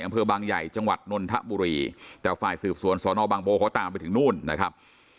อำเภอบางใหญ่จังหวัดนนทบุรีแต่ฝ่ายสืบสวนสอนอบางโบเขาตามไปถึงนู่นนะครับ